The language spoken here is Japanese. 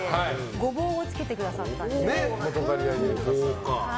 ゴボウを漬けてくださったんですね。